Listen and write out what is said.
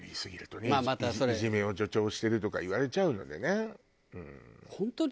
「いじめを助長してる」とか言われちゃうのでね。